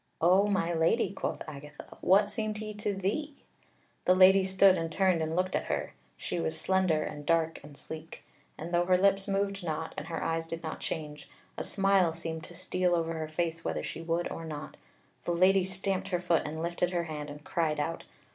"O my Lady," quoth Agatha, "what seemed he to thee?" The lady stood and turned and looked at her; she was slender and dark and sleek; and though her lips moved not, and her eyes did not change, a smile seemed to steal over her face whether she would or not. The Lady stamped her foot and lifted her hand and cried out.